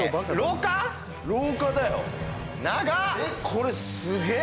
これすげぇ。